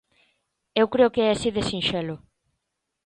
Eu creo que é así de sinxelo.